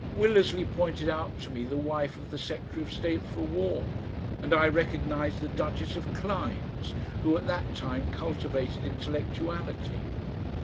Willersley pointed out to me the wife of the Secretary of State for War, and I recognised the Duchess of Clynes, who at that time cultivated intellectuality.